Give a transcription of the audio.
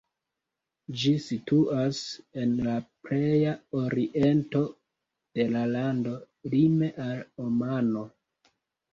Ĝi situas en la pleja oriento de la lando, lime al Omano.